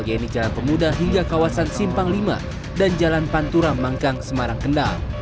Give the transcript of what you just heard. yaitu jalan pemuda hingga kawasan simpang v dan jalan pantura mangkang semarang kendal